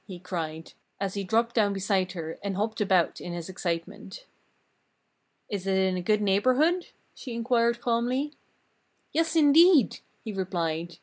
he cried, as he dropped down beside her and hopped about in his excitement. "Is it in a good neighborhood?" she inquired calmly. "Yes, indeed!" he replied.